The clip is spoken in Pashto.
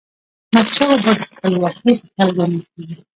احمدشاه بابا د خپلواکی اتل ګڼل کېږي.